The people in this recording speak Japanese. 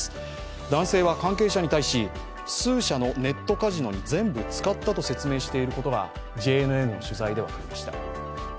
男性は関係者に対し、数社のネットカジノに全部使ったと説明していることがＪＮＮの取材で分かりました。